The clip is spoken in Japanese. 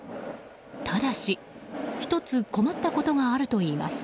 ただし、１つ困ったことがあるといいます。